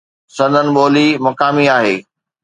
سندن ٻولي مقامي آهي.